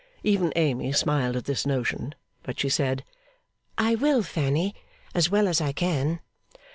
Even Amy smiled at this notion, but she said, 'I will, Fanny, as well as I can.